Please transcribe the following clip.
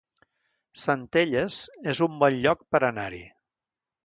Centelles es un bon lloc per anar-hi